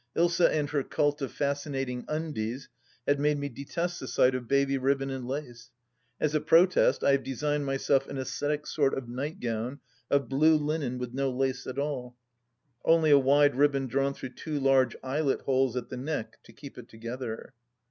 Ilsa and her cult of fascinating " undies " had made me detest the sight of baby ribbon and lace. As a protest, I have designed myself an ascetic sort of nightgown of blue linen with no lace at all, only a wide ribbon drawn through two large eyelet holes at the neck to keep it together.